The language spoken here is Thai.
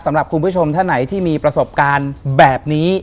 สำหรับคุณผู้ชมท่านไหนที่มีประสบการณ์แบบนี้